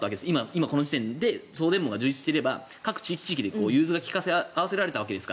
今、この時点で送電網が充実していれば各地域、地域で融通を利かせ合わせられたわけです。